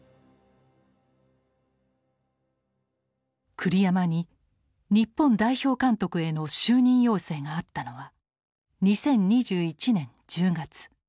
栗山に日本代表監督への就任要請があったのは２０２１年１０月。